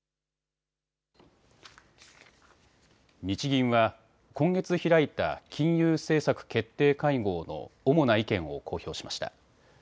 日銀は今月開いた金融政策決定会合の主な意見を公表しました。